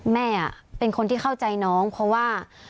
แม่เป็นคนที่เข้าใจน้องเพราะว่า